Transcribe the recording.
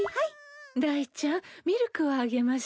ダイちゃんミルクをあげましょう。